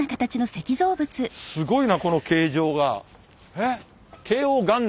すごいなこの形状が。